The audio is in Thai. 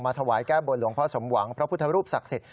ถวายแก้บนหลวงพ่อสมหวังพระพุทธรูปศักดิ์สิทธิ